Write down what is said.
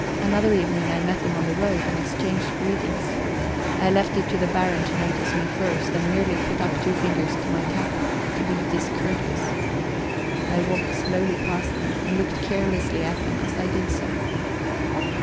Another evening I met them on the road, and exchanged greetings; I left it to the Baron to notice me first, and merely put up two fingers to my cap, to be discourteous. I walked slowly past them, and looked carelessly at them as I did so.